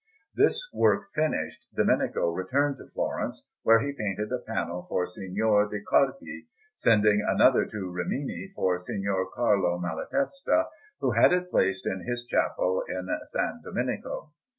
This work finished, Domenico returned to Florence, where he painted a panel for Signor di Carpi, sending another to Rimini for Signor Carlo Malatesta, who had it placed in his chapel in S. Domenico.